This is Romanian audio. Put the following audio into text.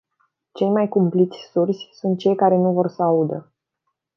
Cei mai cumpliți surzi sunt cei care nu vor să audă.